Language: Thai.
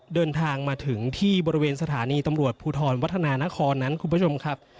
เดินทางมาถึงที่บริเวณสถานีตำรวจภูทรวัฒนานครนั้นคุณผู้ชมครับ